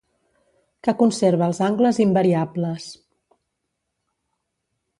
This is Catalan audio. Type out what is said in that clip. Que conserva els angles invariables.